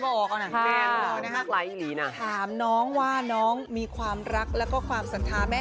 บอกออกออกอ่ะนะครับแบบนี้นะถามน้องว่าน้องมีความรักแล้วก็ความสันธาแม่